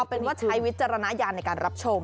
เป็นว่าใช้วิจารณญาณในการรับชม